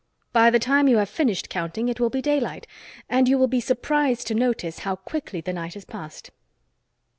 By the time you have finished counting it will be daylight, and you will be surprised to notice how quickly the night has passed.